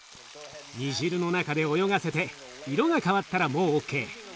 煮汁の中で泳がせて色が変わったらもうＯＫ。